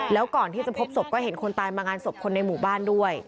แล้วก่อนที่จะพบศพก็เห็นคนตายมางานศพคนในหมู่บ้านด้วย